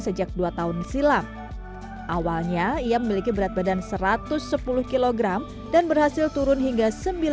sejak dua tahun silam awalnya ia memiliki berat badan satu ratus sepuluh kg dan berhasil turun hingga